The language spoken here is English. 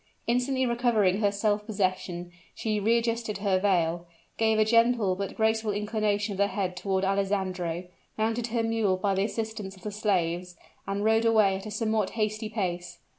Instantly recovering her self possession, she readjusted her veil, gave a gentle but graceful inclination of the head toward Alessandro, mounted her mule by the assistance of the slaves, and rode away at a somewhat hasty pace.